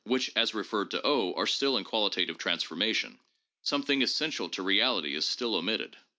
which as referred to are still in qualitative transformation. Some thing essential to reality is still omitted.